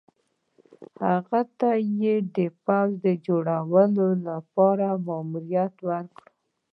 هغه ته یې د پوځ جوړولو لپاره مالیات ورکړي وو.